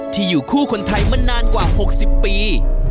อยู่คู่คนไทยมานานกว่า๖๐ปี